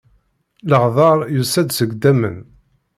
Leɣdeṛ yusa-d seg dammen.